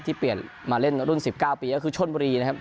ที่เปลี่ยนมาเล่นรุ่นสิบเก้าปีก็คือช่วนบุรีนะครับ